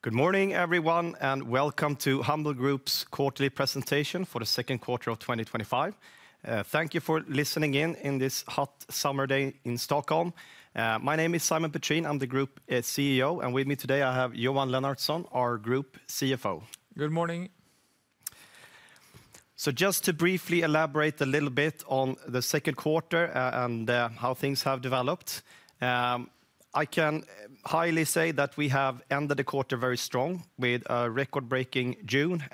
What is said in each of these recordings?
Good morning, everyone, and welcome to Humble Group's quarterly presentation for the second quarter of 2025. Thank you for listening in on this hot summer day in Stockholm. My name is Simon Petrén, I'm the Group CEO, and with me today I have Johan Lennartsson, our Group CFO. Good morning. Just to briefly elaborate a little bit on the second quarter and how things have developed, I can highly say that we have ended the quarter very strong with a record-breaking June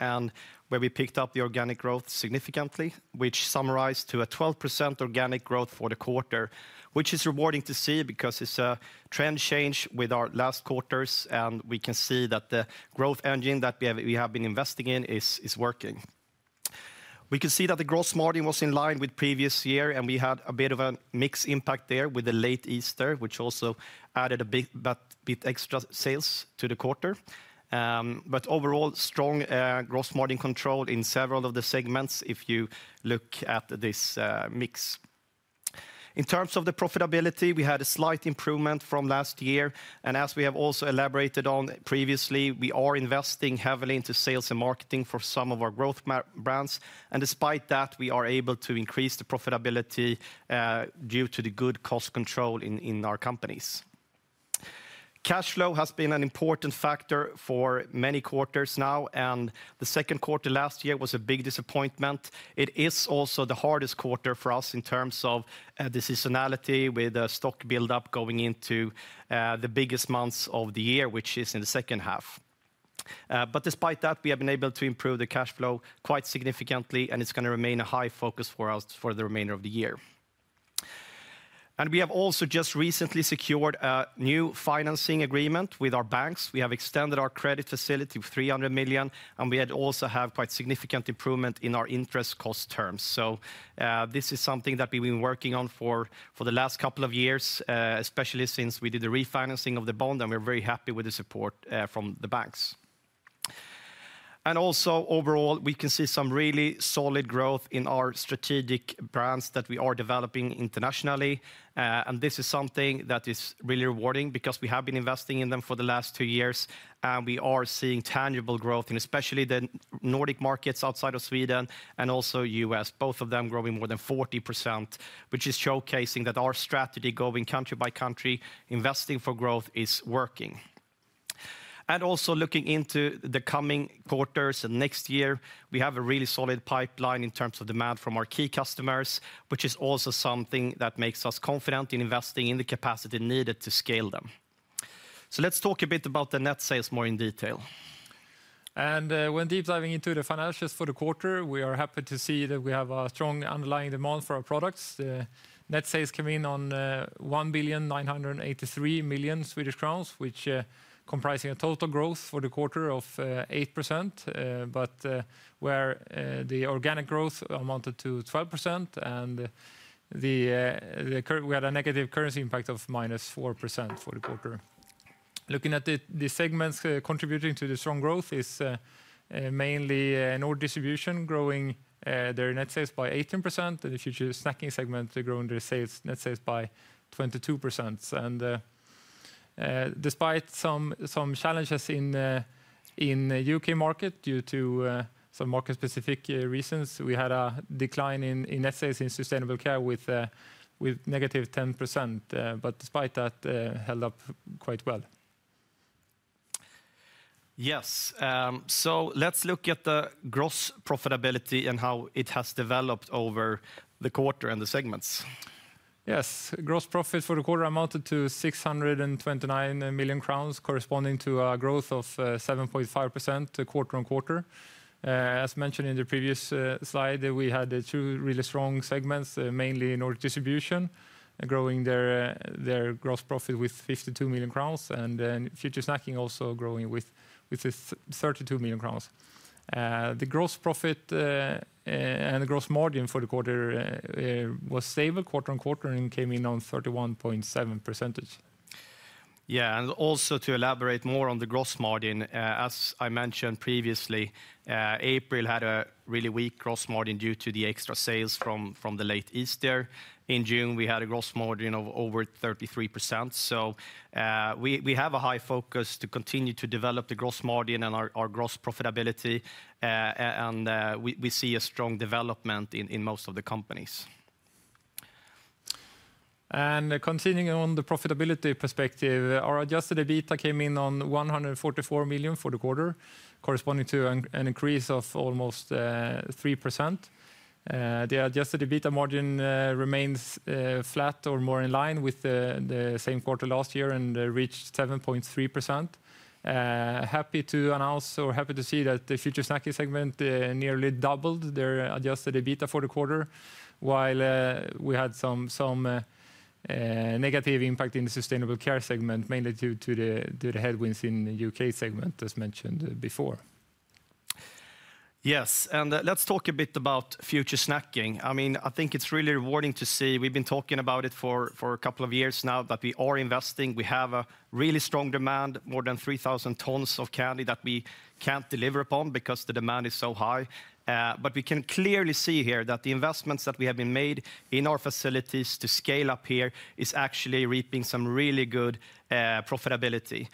where we picked up the organic growth significantly, which summarized to a 12% organic growth for the quarter, which is rewarding to see because it's a trend change with our last quarters, and we can see that the growth engine that we have been investing in is working. We can see that the gross margin was in line with the previous year, and we had a bit of a mixed impact there with the late Easter, which also added a bit extra sales to the quarter. Overall, strong gross margin control in several of the segments if you look at this mix. In terms of the profitability, we had a slight improvement from last year, and as we have also elaborated on previously, we are investing heavily into sales and marketing for some of our growth brands, and despite that, we are able to increase the profitability due to the good cost control in our companies. Cash flow has been an important factor for many quarters now, and the second quarter last year was a big disappointment. It is also the hardest quarter for us in terms of decisionality with the stock build-up going into the biggest months of the year, which is in the second half. Despite that, we have been able to improve the cash flow quite significantly, and it's going to remain a high focus for us for the remainder of the year. We have also just recently secured a new financing agreement with our banks. We have extended our credit facility of 300 million, and we also have quite significant improvement in our interest cost terms. This is something that we've been working on for the last couple of years, especially since we did the refinancing of the bond, and we're very happy with the support from the banks. Overall, we can see some really solid growth in our strategic brands that we are developing internationally, and this is something that is really rewarding because we have been investing in them for the last two years, and we are seeing tangible growth in especially the Nordic markets outside of Sweden and also the U.S., both of them growing more than 40%, which is showcasing that our strategy going country by country, investing for growth is working. Looking into the coming quarters and next year, we have a really solid pipeline in terms of demand from our key customers, which is also something that makes us confident in investing in the capacity needed to scale them. Let's talk a bit about the net sales more in detail. When deep diving into the financials for the quarter, we are happy to see that we have a strong underlying demand for our products. The net sales came in at 1,983 million Swedish crowns, which comprises a total growth for the quarter of 8%, where the organic growth amounted to 12%, and we had a negative currency impact of -4% for the quarter. Looking at the segments contributing to the strong growth, it is mainly Order Distribution growing their net sales by 18%, and the Future Snacking segment growing their net sales by 22%. Despite some challenges in the U.K. market due to some market-specific reasons, we had a decline in net sales in Sustainable Care with -10%, but despite that, held up quite well. Yes, let's look at the gross profitability and how it has developed over the quarter and the segments. Yes, gross profit for the quarter amounted to 629 million crowns, corresponding to a growth of 7.5% quarter-on-quarter. As mentioned in the previous slide, we had two really strong segments, mainly in Order Distribution, growing their gross profit with 52 million crowns, and then Future Snacking also growing with 32 million crowns. The gross profit and the gross margin for the quarter was stable quarter on quarter and came in on 31.7%. Yeah, and also to elaborate more on the gross margin, as I mentioned previously, April had a really weak gross margin due to the extra sales from the late Easter. In June, we had a gross margin of over 33%. We have a high focus to continue to develop the gross margin and our gross profitability, and we see a strong development in most of the companies. Continuing on the profitability perspective, our adjusted EBITDA came in at 144 million for the quarter, corresponding to an increase of almost 3%. The adjusted EBITDA margin remains flat or more in line with the same quarter last year and reached 7.3%. Happy to announce or happy to see that the Future Snacking segment nearly doubled their adjusted EBITDA for the quarter, while we had some negative impact in the Sustainable Care segment, mainly due to the headwinds in the U.K. segment, as mentioned before. Yes, and let's talk a bit about Future Snacking. I mean, I think it's really rewarding to see. We've been talking about it for a couple of years now that we are investing. We have a really strong demand, more than 3,000 tons of candy that we can't deliver upon because the demand is so high. We can clearly see here that the investments that we have made in our facilities to scale up here are actually reaping some really good profitability.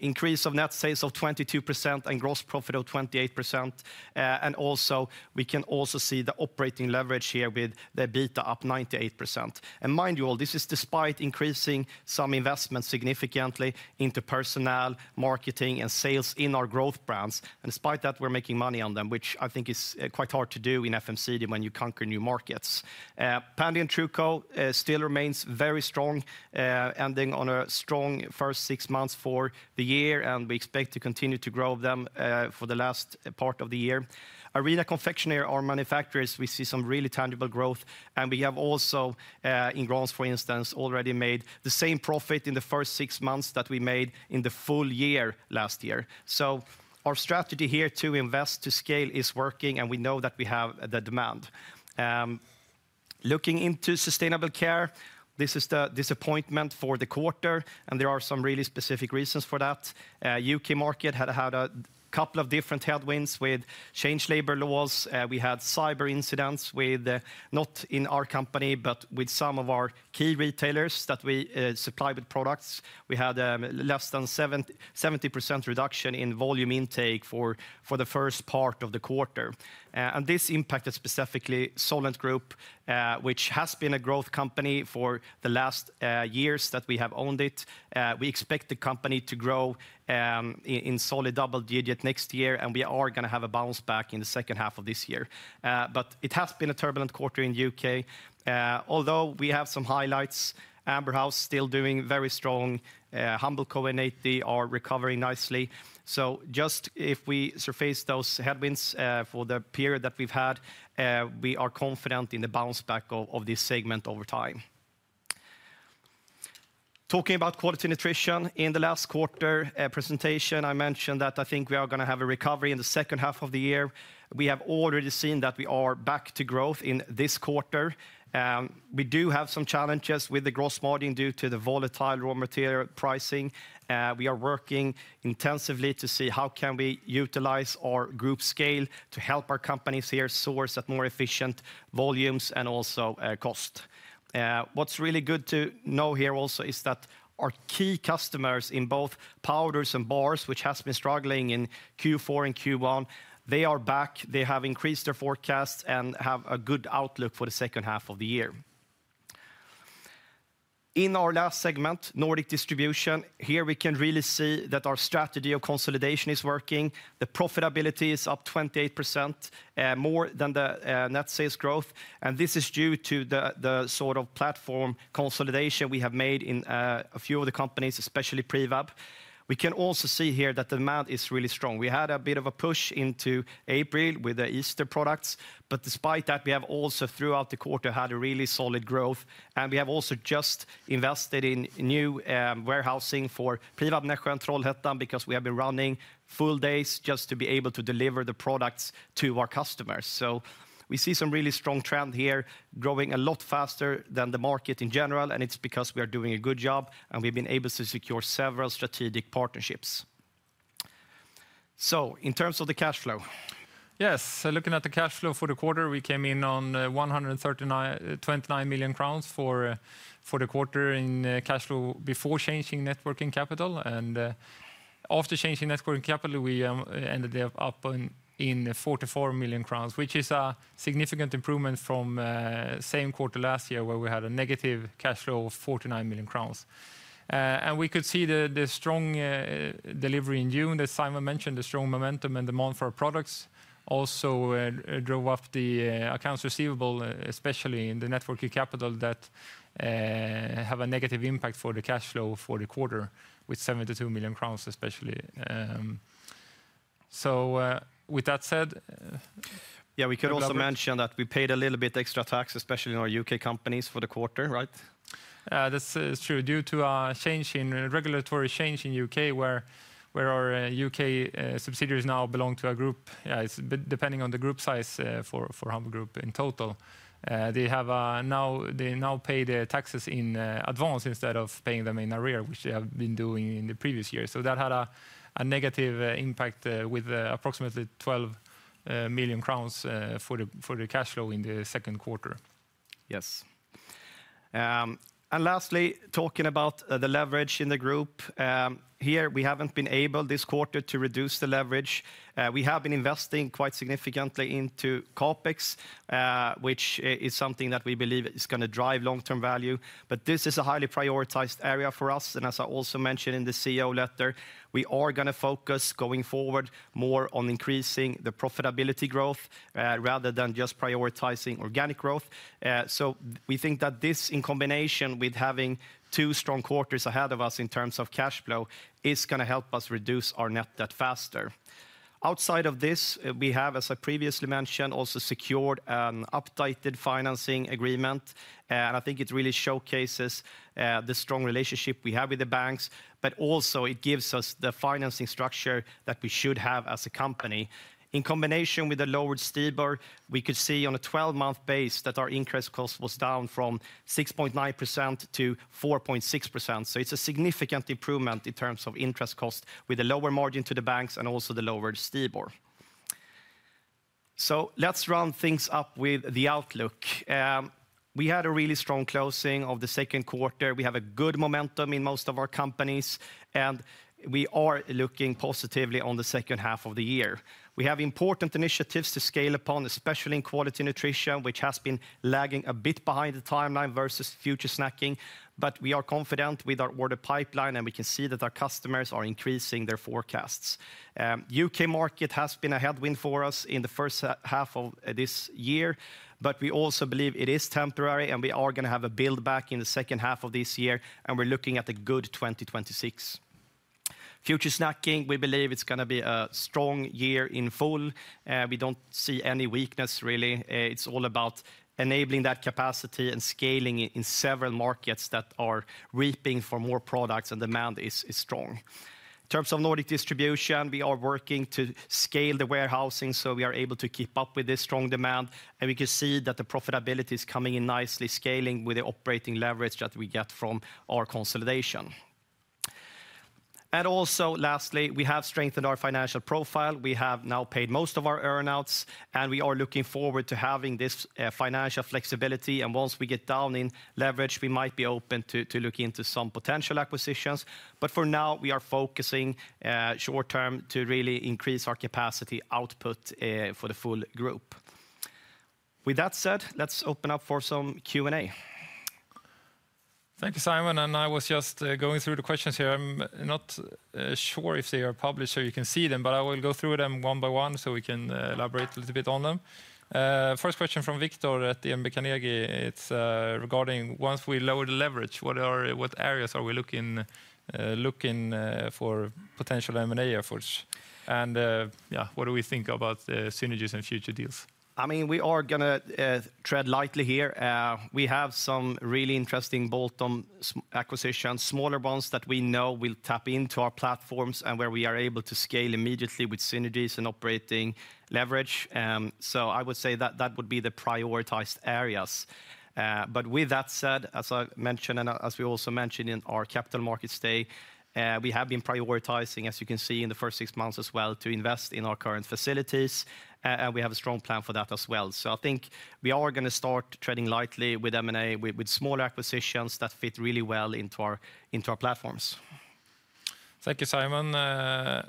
Increase of net sales of 22% and gross profit of 28%. We can also see the operating leverage here with the EBITDA up 98%. Mind you all, this is despite increasing some investments significantly into personnel, marketing, and sales in our growth brands. Despite that, we're making money on them, which I think is quite hard to do in FMCD when you conquer new markets. Pändy and TruCo still remain very strong, ending on a strong first six months for the year, and we expect to continue to grow them for the last part of the year. Arena Confectionery, our manufacturers, we see some really tangible growth, and we have also, in gross, for instance, already made the same profit in the first six months that we made in the full year last year. Our strategy here to invest to scale is working, and we know that we have the demand. Looking into Sustainable Care, this is the disappointment for the quarter, and there are some really specific reasons for that. The U.K. market had had a couple of different headwinds with changed labor laws. We had cyber incidents, not in our company, but with some of our key retailers that we supply with products. We had less than 70% reduction in volume intake for the first part of the quarter. This impacted specifically Solvent Group, which has been a growth company for the last years that we have owned it. We expect the company to grow in solid double digits next year, and we are going to have a bounce back in the second half of this year. It has been a turbulent quarter in the U.K. Although we have some highlights, Amber House still doing very strong. Humble Co. and A.D. are recovering nicely. If we surface those headwinds for the period that we've had, we are confident in the bounce back of this segment over time. Talking about Quality Nutrition, in the last quarter presentation, I mentioned that I think we are going to have a recovery in the second half of the year. We have already seen that we are back to growth in this quarter. We do have some challenges with the gross margin due to the volatile raw material pricing. We are working intensively to see how we can utilize our group scale to help our companies here source at more efficient volumes and also cost. What's really good to know here also is that our key customers in both powders and bars, which have been struggling in Q4 and Q1, they are back. They have increased their forecasts and have a good outlook for the second half of the year. In our last segment, Nordic Distribution, here we can really see that our strategy of consolidation is working. The profitability is up 28%, more than the net sales growth. This is due to the sort of platform consolidation we have made in a few of the companies, especially Pre-Vab. We can also see here that the demand is really strong. We had a bit of a push into April with the Easter products. Despite that, we have also throughout the quarter had a really solid growth. We have also just invested in new warehousing for Pre-Vab Nässjö and [Trollhättan] because we have been running full days just to be able to deliver the products to our customers. We see some really strong trend here, growing a lot faster than the market in general. It is because we are doing a good job and we've been able to secure several strategic partnerships. In terms of the cash flow. Yes, looking at the cash flow for the quarter, we came in on 129 million crowns for the quarter in cash flow before changing working capital. After changing working capital, we ended up in 44 million crowns, which is a significant improvement from the same quarter last year where we had a negative cash flow of 49 million crowns. We could see the strong delivery in June that Simon mentioned. The strong momentum and demand for our products also drove up the accounts receivable, especially in the working capital that have a negative impact for the cash flow for the quarter with 72 million crowns, especially. With that said. Yeah, we could also mention that we paid a little bit extra tax, especially in our UK companies for the quarter, right? That's true, due to a change in regulatory change in the U.K. where our U.K. subsidiaries now belong to a group, depending on the group size for Humble Group in total. They now pay the taxes in advance instead of paying them in arrears, which they have been doing in the previous year. That had a negative impact with approximately 12 million crowns for the cash flow in the second quarter. Yes. Lastly, talking about the leverage in the group. Here we haven't been able this quarter to reduce the leverage. We have been investing quite significantly into CapEx, which is something that we believe is going to drive long-term value. This is a highly prioritized area for us. As I also mentioned in the CEO letter, we are going to focus going forward more on increasing the profitability growth rather than just prioritizing organic growth. We think that this, in combination with having two strong quarters ahead of us in terms of cash flow, is going to help us reduce our net debt faster. Outside of this, we have, as I previously mentioned, also secured an updated financing agreement. I think it really showcases the strong relationship we have with the banks, but also it gives us the financing structure that we should have as a company. In combination with the lowered Stibor, we could see on a 12-month base that our interest cost was down from 6.9%-4.6%. It is a significant improvement in terms of interest cost with a lower margin to the banks and also the lowered Stibor. Let's run things up with the outlook. We had a really strong closing of the second quarter. We have good momentum in most of our companies, and we are looking positively on the second half of the year. We have important initiatives to scale upon, especially in Quality Nutrition, which has been lagging a bit behind the timeline versus Future Snacking. We are confident with our order pipeline, and we can see that our customers are increasing their forecasts. The U.K. market has been a headwind for us in the first half of this year, but we also believe it is temporary, and we are going to have a build back in the second half of this year, and we're looking at a good 2026. Future Snacking, we believe it's going to be a strong year in full. We don't see any weakness, really. It's all about enabling that capacity and scaling in several markets that are reaping for more products, and demand is strong. In terms of Nordic Distribution, we are working to scale the warehousing so we are able to keep up with this strong demand, and we can see that the profitability is coming in nicely, scaling with the operating leverage that we get from our consolidation. Lastly, we have strengthened our financial profile. We have now paid most of our earnouts, and we are looking forward to having this financial flexibility. Once we get down in leverage, we might be open to look into some potential acquisitions. For now, we are focusing short-term to really increase our capacity output for the full group. With that said, let's open up for some Q&A. Thank you, Simon. I was just going through the questions here. I'm not sure if they are published or you can see them, but I will go through them one by one so we can elaborate a little bit on them. First question from Victor at Ian McKinney. It's regarding once we lower the leverage, what areas are we looking for potential M&A efforts? What do we think about synergies and future deals? I mean, we are going to tread lightly here. We have some really interesting bolt-on acquisitions, smaller ones that we know will tap into our platforms and where we are able to scale immediately with synergies and operating leverage. I would say that that would be the prioritized areas. As I mentioned, and as we also mentioned in our capital markets day, we have been prioritizing, as you can see in the first six months as well, to invest in our current facilities. We have a strong plan for that as well. I think we are going to start treading lightly with M&A with smaller acquisitions that fit really well into our platforms. Thank you, Simon.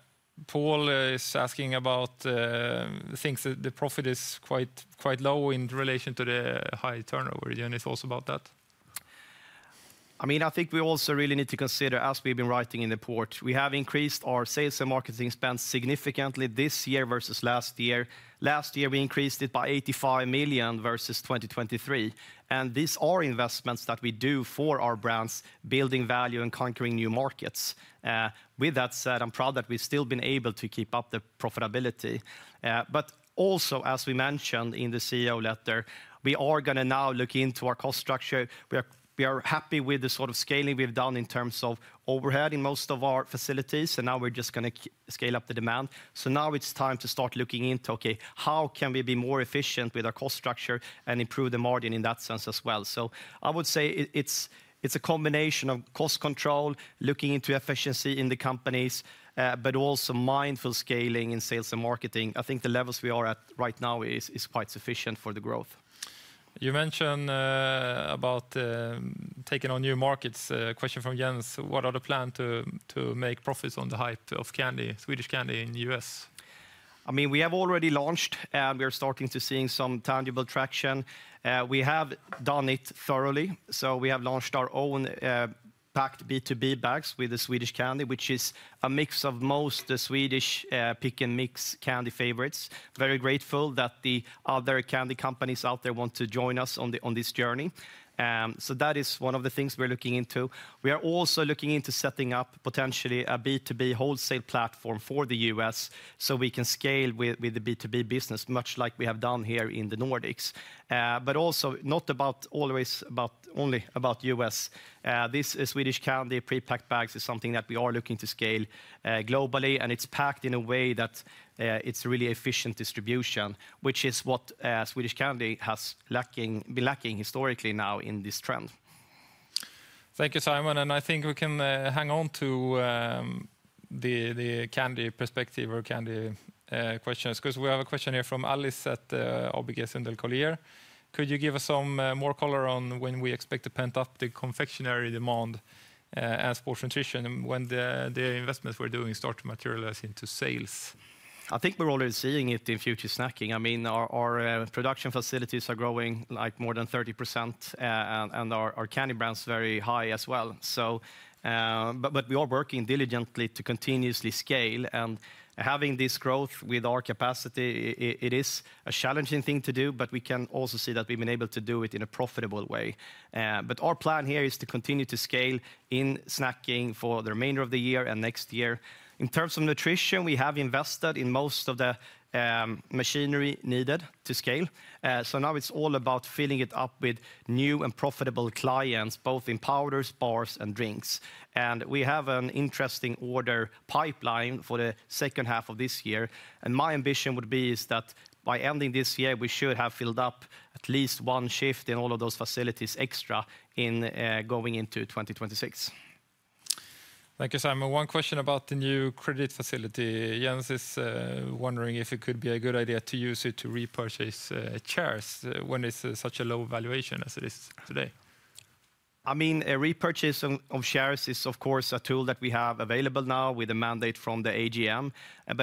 Paul is asking about things that the profit is quite low in relation to the high turnover. Do you want to talk about that? I mean, I think we also really need to consider, as we've been writing in the report, we have increased our sales and marketing spend significantly this year versus last year. Last year, we increased it by 85 million versus 2023. These are investments that we do for our brands, building value and conquering new markets. With that said, I'm proud that we've still been able to keep up the profitability. Also, as we mentioned in the CEO letter, we are going to now look into our cost structure. We are happy with the sort of scaling we've done in terms of overhead in most of our facilities, and now we're just going to scale up the demand. Now it's time to start looking into, okay, how can we be more efficient with our cost structure and improve the margin in that sense as well? I would say it's a combination of cost control, looking into efficiency in the companies, but also mindful scaling in sales and marketing. I think the levels we are at right now are quite sufficient for the growth. You mentioned about taking on new markets. A question from Jens. What are the plans to make profits on the height of Swedish candy in the U.S.? I mean, we have already launched, and we are starting to see some tangible traction. We have done it thoroughly. We have launched our own packed B2B bags with the Swedish candy, which is a mix of most Swedish pick and mix candy favorites. Very grateful that the other candy companies out there want to join us on this journey. That is one of the things we're looking into. We are also looking into setting up potentially a B2B wholesale platform for the U.S. so we can scale with the B2B business, much like we have done here in the Nordics. It is also not always only about the U.S. This Swedish candy pre-packed bags is something that we are looking to scale globally, and it's packed in a way that it's really efficient distribution, which is what Swedish candy has been lacking historically now in this trend. Thank you, Simon. I think we can hang on to the candy perspective or candy questions because we have a question here from Alice at ABG Sundal Collier. Could you give us some more color on when we expect to pent up the confectionery demand as portion nutrition and when the investments we're doing start to materialize into sales? I think we're already seeing it in Future Snacking. I mean, our production facilities are growing like more than 30%, and our candy brand is very high as well. We are working diligently to continuously scale, and having this growth with our capacity, it is a challenging thing to do, but we can also see that we've been able to do it in a profitable way. Our plan here is to continue to scale in snacking for the remainder of the year and next year. In terms of nutrition, we have invested in most of the machinery needed to scale. Now it's all about filling it up with new and profitable clients, both in powders, bars, and drinks. We have an interesting order pipeline for the second half of this year. My ambition would be that by ending this year, we should have filled up at least one shift in all of those facilities extra going into 2026. Thank you, Simon. One question about the new credit facility. Jens is wondering if it could be a good idea to use it to repurchase shares when it's such a low valuation as it is today. A repurchase of shares is, of course, a tool that we have available now with a mandate from the AGM.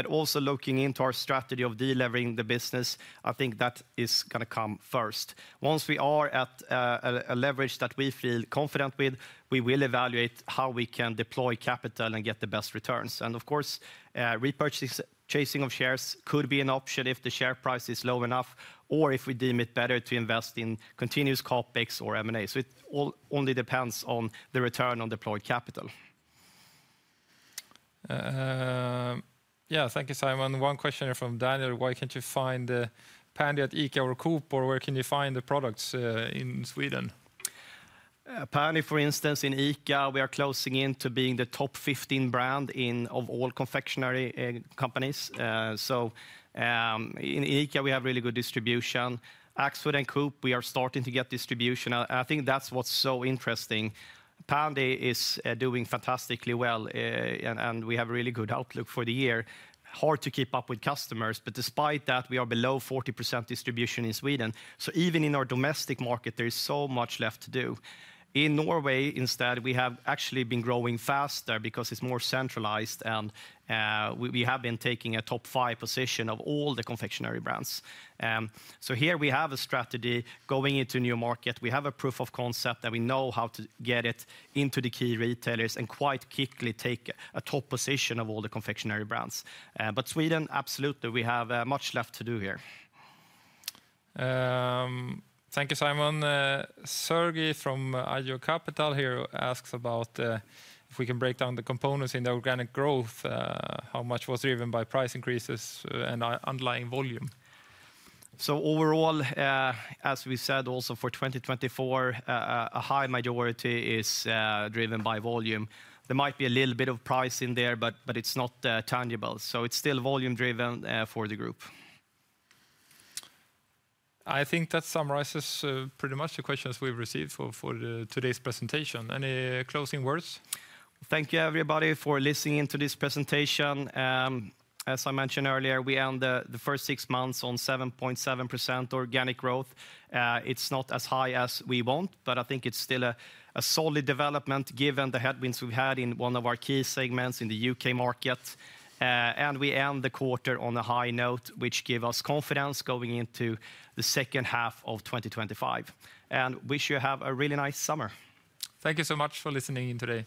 Also, looking into our strategy of delivering the business, I think that is going to come first. Once we are at a leverage that we feel confident with, we will evaluate how we can deploy capital and get the best returns. Of course, repurchasing of shares could be an option if the share price is low enough or if we deem it better to invest in continuous CapEx or M&A. It all only depends on the return on deployed capital. Yeah, thank you, Simon. One question here from Daniel. Why can't you find the Pändy at ICA or Coop, or where can you find the products in Sweden? Pändy, for instance, in ICA, we are closing into being the top 15 brand of all confectionery companies. In ICA, we have really good distribution. Axfood and Coop, we are starting to get distribution. I think that's what's so interesting. Pändy is doing fantastically well, and we have a really good outlook for the year. Hard to keep up with customers, but despite that, we are below 40% distribution in Sweden. Even in our domestic market, there is so much left to do. In Norway, instead, we have actually been growing faster because it's more centralized, and we have been taking a top five position of all the confectionery brands. Here we have a strategy going into a new market. We have a proof of concept that we know how to get it into the key retailers and quite quickly take a top position of all the confectionery brands. Sweden, absolutely, we have much left to do here. Thank you, Simon. Sergey from Ideal Capital here asks about if we can break down the components in the organic growth, how much was driven by price increases and underlying volume. Overall, as we said, also for 2024, a high majority is driven by volume. There might be a little bit of price in there, but it's not tangible. It's still volume-driven for the group. I think that summarizes pretty much the questions we've received for today's presentation. Any closing words? Thank you, everybody, for listening to this presentation. As I mentioned earlier, we end the first six months on 7.7% organic growth. It's not as high as we want, but I think it's still a solid development given the headwinds we've had in one of our key segments in the U.K. market. We end the quarter on a high note, which gives us confidence going into the second half of 2025. We should have a really nice summer. Thank you so much for listening in today.